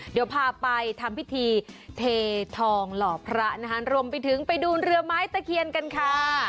เดี๋ยวพาไปทำพิธีเททองหล่อพระนะคะรวมไปถึงไปดูเรือไม้ตะเคียนกันค่ะ